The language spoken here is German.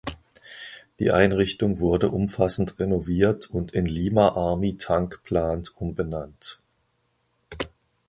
Die Einrichtung wurde umfassend renoviert und in "Lima Army Tank Plant" umbenannt.